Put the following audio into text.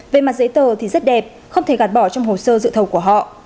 về mặt giấy tờ thì rất đẹp không thể gạt bỏ trong hồ sơ dự thầu của họ